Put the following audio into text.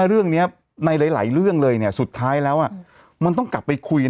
คือไม่ได้ผ่อนผัน